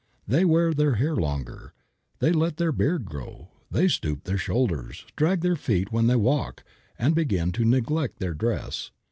They wear their hair longer, they let their beard grow, they stoop their shoulders, drag their feet when they walk, and begin to neglect their dress.